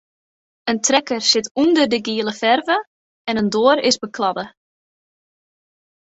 In trekker sit ûnder de giele ferve en in doar is bekladde.